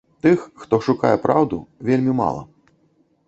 Тых, хто шукае праўду, вельмі мала.